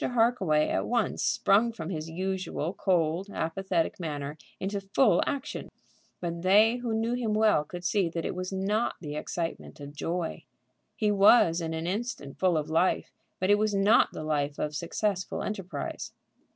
Harkaway at once sprung from his usual cold, apathetic manner into full action. But they who knew him well could see that it was not the excitement of joy. He was in an instant full of life, but it was not the life of successful enterprise.